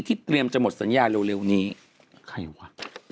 ที่เตรียมจะหมดสัญญาณเร็วเร็วนี้ใครว่ะ